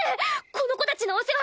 この子たちのお世話